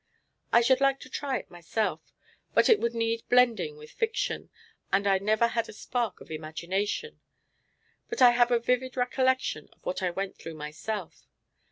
I should like to try it myself, but it would need blending with fiction, and I never had a spark of imagination. But I have a vivid recollection of what I went through myself.